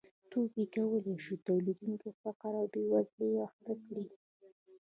توکي کولای شي تولیدونکی په فقر او بېوزلۍ اخته کړي